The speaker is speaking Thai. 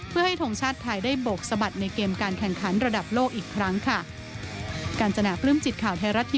เพื่อให้ทงชาติไทยได้โบกสะบัดในเกมการแข่งขันระดับโลกอีกครั้งค่ะ